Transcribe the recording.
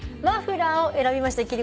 「マフラー」を選びました